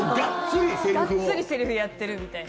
がっつりセリフやってるみたいな。